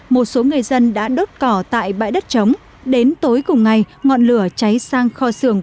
một số người dân đã đốt cỏ tại bãi đất trống đến tối cùng ngày ngọn lửa cháy sang kho xưởng